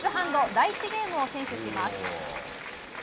第１ゲームを先取します。